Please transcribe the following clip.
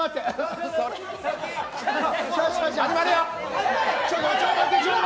始まるよ。